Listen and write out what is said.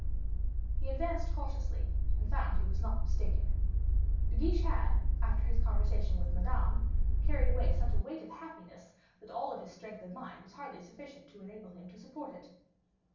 He advanced cautiously, and found he was not mistaken. De Guiche had, after his conversation with Madame, carried away such a weight of happiness, that all of his strength of mind was hardly sufficient to enable him to support it.